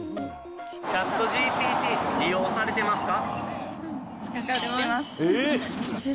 ＣｈａｔＧＰＴ、利用されてますか？